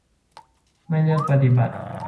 ไม่เลือกปฏิบัติ